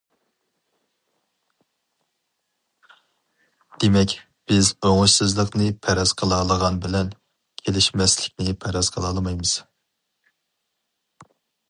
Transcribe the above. دېمەك، بىز ئوڭۇشسىزلىقنى پەرەز قىلالىغان بىلەن، كېلىشمەسلىكنى پەرەز قىلالمايمىز.